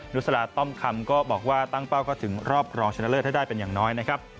ุสลาต้อมคำก็บอกว่าตั้งเป้าก็ถึงรอบรองชนะเลิศให้ได้เป็นอย่างน้อยนะครับ